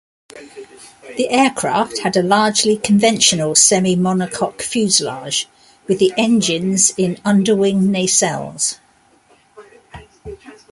The aircraft had a largely conventional semi-monocoque fuselage, with the engines in underwing nacelles.